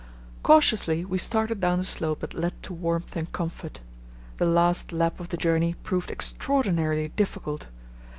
Cautiously we started down the slope that led to warmth and comfort. The last lap of the journey proved extraordinarily difficult.